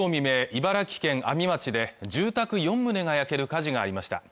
茨城県阿見町で住宅四棟が焼ける火事がありました